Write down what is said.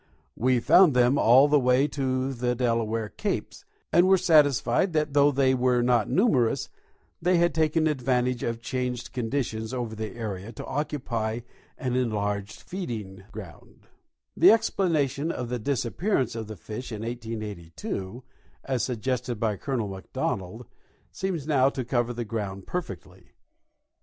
We found them all the way to the Delaware capes, and were satisfied that though they were not numerous they had taken advantage of changed conditions over the area to occupy an enlarged feeding ground. The exjjlanation of the disappearance of the fish in 1882, as suggested by Colonel McDonald, seems now to cover the ground 166 William Libbey — Gulf Stream and Ladrador Current. perfectly.